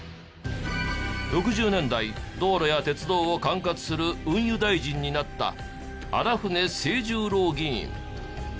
６０年代道路や鉄道を管轄する運輸大臣になった荒舩清十郎議員。